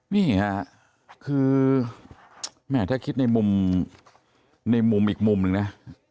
นี่ค่ะคือแม่ถ้าคิดในมุมอีกมุมหนึ่งนะ